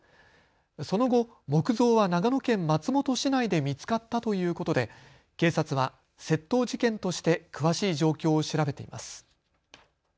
その後、木像は長野県松本市内で見つかったということで警察は窃盗事件として詳しい状況を調べています。